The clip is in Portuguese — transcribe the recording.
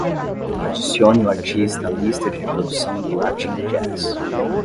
Adicione o artista à lista de reprodução do Latin Jazz.